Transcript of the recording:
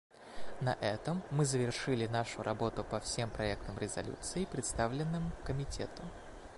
На этом мы завершили нашу работу по всем проектам резолюций, представленным Комитету.